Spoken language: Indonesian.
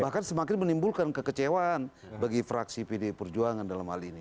bahkan semakin menimbulkan kekecewaan bagi fraksi pd perjuangan dalam hal ini